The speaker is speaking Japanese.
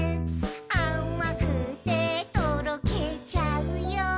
「あまくてとろけちゃうよ」